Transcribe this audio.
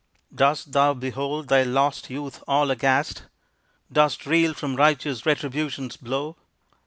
Dost thou behold thy lost youth all aghast? Dost reel from righteous Retribution's blow?